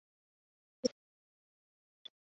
阿尔坎蒂尔是巴西帕拉伊巴州的一个市镇。